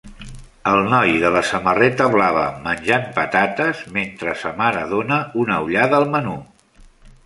El noi de la samarreta blava menjant patates mentre sa mare dona una ullada al menú